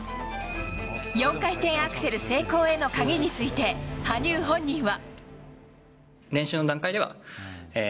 ４回転アクセル成功への鍵について羽生本人は。